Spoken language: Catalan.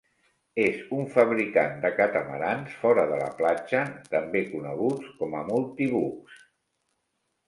És un fabricant de catamarans fora de la platja, també coneguts com a multibucs